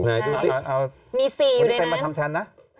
มี๔อยู่ในนั้น